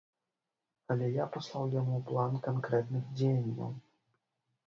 Але я паслаў яму план канкрэтных дзеянняў.